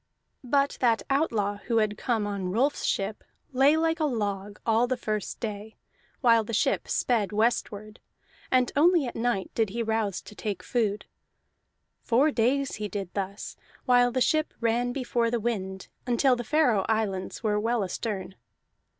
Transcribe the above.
But that outlaw who had come on Rolf's ship lay like a log all the first day, while the ship sped westward; and only at night did he rouse to take food. Four days he did thus, while the ship ran before the wind until the Faroe Islands were well astern.